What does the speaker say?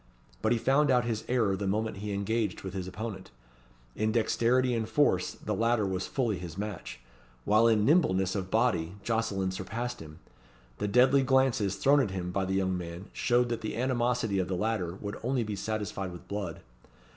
But he found out his error the moment he engaged with his opponent. In dexterity and force the latter was fully his match, while in nimbleness of body Jocelyn surpassed him. The deadly glances thrown at him by the young man showed that the animosity of the latter would only be satisfied with blood.